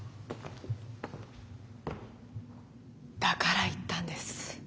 だから言ったんです。